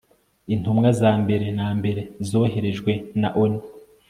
intumwa za mbere na mbere zoherejwe na onu